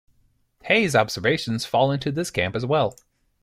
Hey's observations fall into this camp as well.